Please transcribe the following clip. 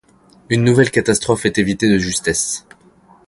Une nouvelle catastrophe est évitée de justesse.